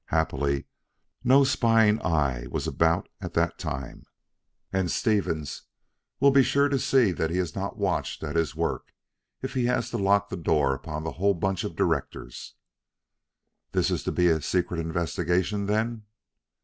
Happily, no spying eye was about at that time; and Stevens will be sure to see that he is not watched at his work if he has to lock the door upon the whole bunch of directors." "This is to be a secret investigation, then?"